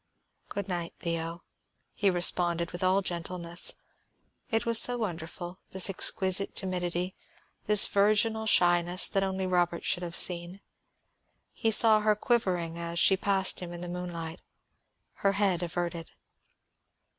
"Good night, Theo," he responded with all gentleness. It was so wonderful, this exquisite timidity, this virginal shyness that only Robert should have seen. He saw her quivering as she passed him in the moonlight, her head averted.